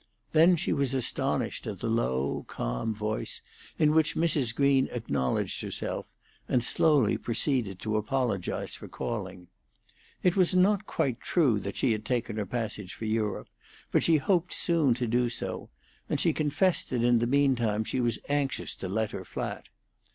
Then she was astonished at the low, calm voice in which Mrs. Green acknowledged herself, and slowly proceeded to apologize for calling. It was not quite true that she had taken her passage for Europe, but she hoped soon to do so, and she confessed that in the mean time she was anxious to let her flat.